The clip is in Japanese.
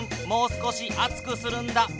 もう少し熱くするんだ。